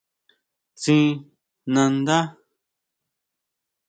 Tsín nandá.